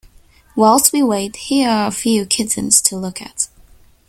Whilst we wait, here are a few kittens to look at.